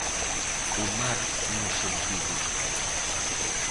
O mar nos sentidos.